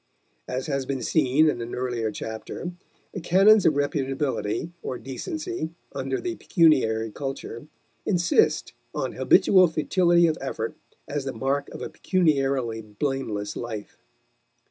As has been seen in an earlier chapter, the canons of reputability or decency under the pecuniary culture insist on habitual futility of effort as the mark of a pecuniarily blameless life.